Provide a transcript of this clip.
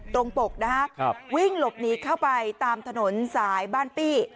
ปกนะฮะวิ่งหลบหนีเข้าไปตามถนนสายบ้านปี้